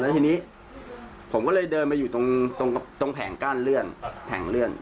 ทีนี้ผมก็เลยเดินมาอยู่ตรงแผงกั้นเลื่อนแผงเลื่อน